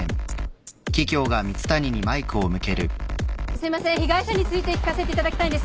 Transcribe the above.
すいません被害者について聞かせていただきたいんですが。